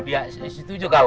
setuju nggak bu